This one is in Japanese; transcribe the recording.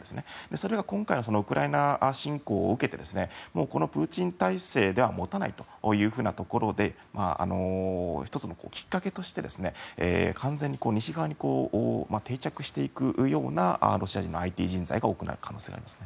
それが今回ウクライナ侵攻を受けてこのプーチン体制ではもたないというところで１つのきっかけとして完全に西側に定着していくようなロシアのＩＴ人材が多くなる可能性があります。